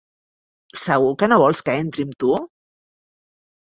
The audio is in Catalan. Segur que no vols que entri amb tu?